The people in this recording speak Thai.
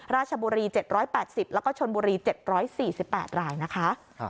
ราชบุรี๗๘๐แล้วก็ชนบุรี๗๔๘รายนะคะ